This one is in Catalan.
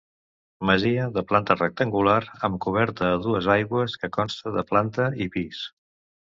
Masia de planta rectangular, amb coberta a dues aigües, que consta de planta i pis.